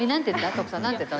徳さん。なんて言ったの？